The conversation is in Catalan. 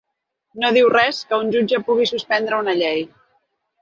No diu res que un jutge pugui suspendre una llei.